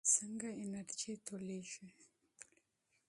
څنګه انرژي تولیدېږي؟